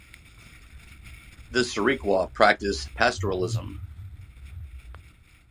The Sirikwa practiced pastoralism.